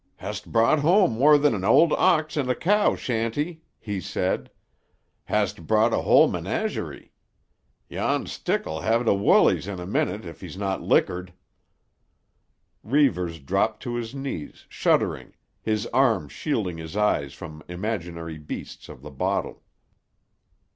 "Hast brought home more than an old ox and a cow, Shanty," he said. "Hast brought a whole menagerie. Yon stick'll have tuh Wullies in a minute if he's not liquored." Reivers dropped to his knees, shuddering, his arms shielding his eyes from imaginary beasts of the bottle.